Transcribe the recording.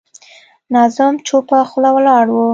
ناظم چوپه خوله ولاړ و.